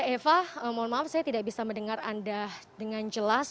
eva mohon maaf saya tidak bisa mendengar anda dengan jelas